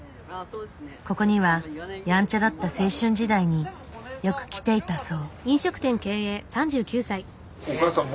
ここにはやんちゃだった青春時代によく来ていたそう。